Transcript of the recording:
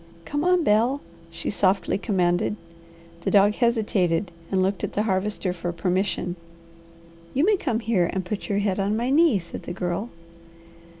"Come on, Bel," she softly commanded. The dog hesitated, and looked at the Harvester for permission. "You may come here and put your head on my knee," said the Girl.